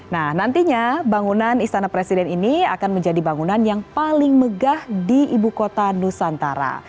nah nantinya bangunan istana presiden ini akan menjadi bangunan yang paling megah di ibu kota nusantara